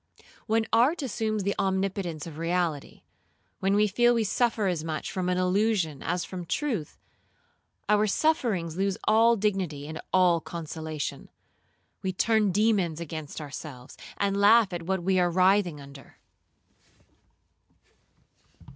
When art assumes the omnipotence of reality, when we feel we suffer as much from an illusion as from truth, our sufferings lose all dignity and all consolation. We turn demons against ourselves, and laugh at what we are writhing under.